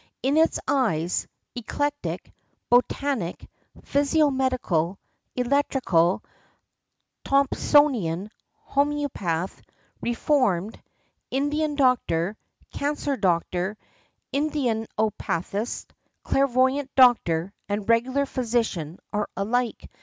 In its eyes, Eclectic, Botanic, Physio Medical, Electrical, Thompsonian, Homœopath, Reformed, Indian Doctor, Cancer Doctor, Indianopathist, Clairvoyant Doctor and regular physician are alike.